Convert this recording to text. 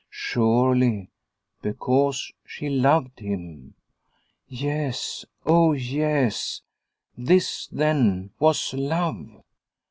Surely because she loved him ! Yes, oh yes ! This then was love.